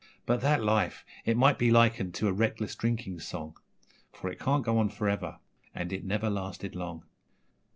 But that life! it might be likened to a reckless drinking song, For it can't go on for ever, and it never lasted long.